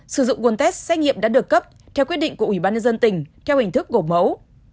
sử dụng nguồn test xét nghiệm đã được cấp theo quyết định của ubnd tỉnh theo hình thức gồm mẫu